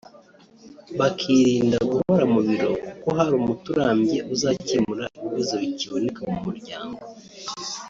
bakirinda guhora mu biro kuko harimo umuti urambye uzakemura ibibazo bikiboneka mu muryango